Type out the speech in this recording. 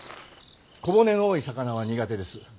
小骨の多い魚は苦手です。